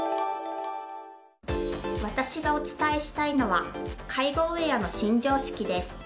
私がお伝えしたいのは介護ウェアの新常識です。